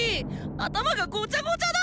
頭がごちゃごちゃだ。